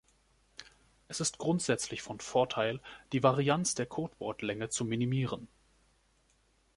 Es ist grundsätzlich von Vorteil die Varianz der Codewortlänge zu minimieren.